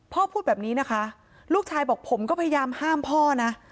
พูดแบบนี้นะคะลูกชายบอกผมก็พยายามห้ามพ่อนะ